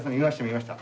見ました。